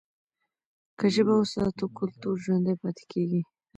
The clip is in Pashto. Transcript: که ژبه وساتو، کلتور ژوندي پاتې کېږي.